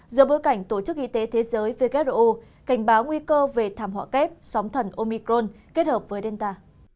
giữa bối cảnh tổ chức y tế thế giới who cảnh báo nguy cơ về thảm họa kép sóng thần omicron kết hợp với delta